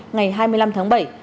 ngày hai mươi năm tháng bảy